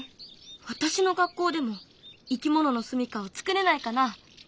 私の学校でもいきもののすみかをつくれないかな？